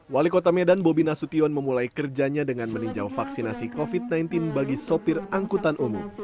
wali kota medan bobi nasution memulai kerjanya dengan meninjau vaksinasi covid sembilan belas bagi sopir angkutan umum